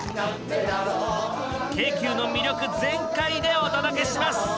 京急の魅力全開でお届けします。